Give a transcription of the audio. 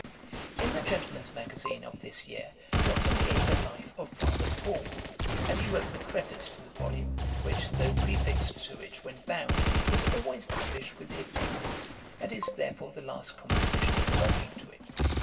In the Gentleman's Magazine of this year, Johnson gave a Life of Father Paul; and he wrote the Preface to the Volume, [dagger] which, though prefixed to it when bound, is always published with the Appendix, and is therefore the last composition belonging to it.